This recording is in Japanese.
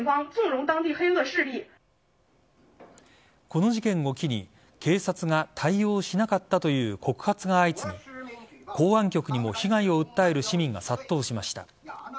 この事件を機に警察が対応しなかったという告発が相次ぎ公安局にも被害を訴える市民が殺到しました。